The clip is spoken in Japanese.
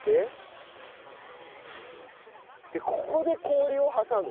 でここで氷を挟む。